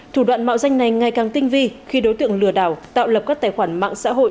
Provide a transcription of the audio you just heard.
thủ đoạn mạo danh này ngày càng tinh vi khi đối tượng lừa đảo tạo lập các tài khoản mạng xã hội